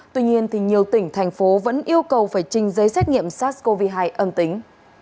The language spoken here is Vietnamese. tuy nhiên nhiều tỉnh thành phố vẫn yêu cầu phải trình giấy xét nghiệm sars cov hai âm tính